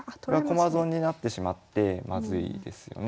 駒損になってしまってまずいですよね。